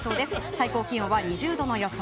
最高気温は２０度の予想。